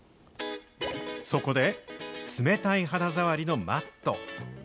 そこで、冷たい肌触りのマット。